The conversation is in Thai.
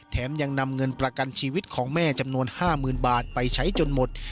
ยังนำเงินประกันชีวิตของแม่จำนวน๕๐๐๐บาทไปใช้จนหมด